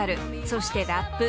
そしてラップ。